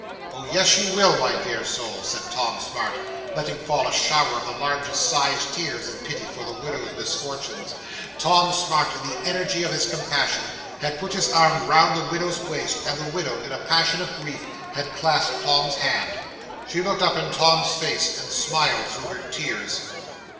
'"Oh, yes you will, my dear soul," said Tom Smart, letting fall a shower of the largest sized tears, in pity for the widow's misfortunes. Tom Smart, in the energy of his compassion, had put his arm round the widow's waist; and the widow, in a passion of grief, had clasped Tom's hand. She looked up in Tom's face, and smiled through her tears.